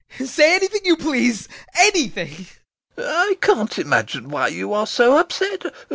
Say anything you please anything! SEREBRAKOFF. I can't imagine why you are so upset.